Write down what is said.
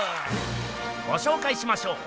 ごしょうかいしましょう！